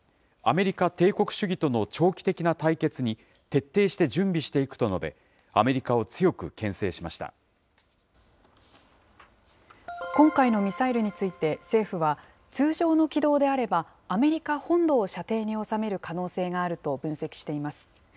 アメリカ帝国主義との長期的な対決に徹底して準備していくと述べ、今回のミサイルについて、政府は、通常の軌道であれば、アメリカ本土を射程に収める可能性があると分析しています。